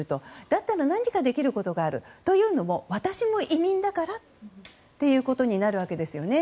だったら何かできることがあるというのも私も移民だからということになるわけですよね。